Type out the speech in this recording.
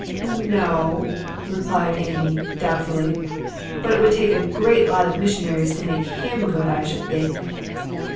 "N o," replied Amy, doubtfully; "but it would take a great lot of missionaries to make him good, I should think.